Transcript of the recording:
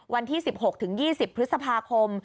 วันที่๑๖๒๐พฤษภาคม